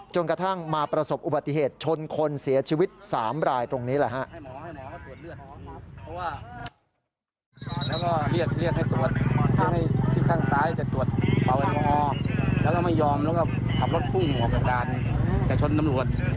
กระทั่งมาประสบอุบัติเหตุชนคนเสียชีวิต๓รายตรงนี้แหละฮะ